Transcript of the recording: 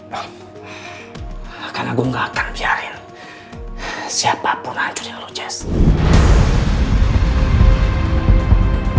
bang karena gua gak akan biarin siapapun hancurin lu jess